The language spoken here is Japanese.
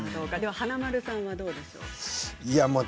華丸さんはどうですか。